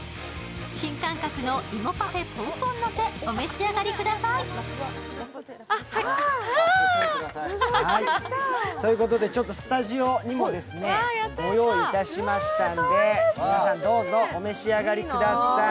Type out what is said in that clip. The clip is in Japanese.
新感覚の芋パフェぽんぽんのせ、お召し上がりください。ということでスタジオにもご用意しましたので皆さん、どうぞお召し上がりください。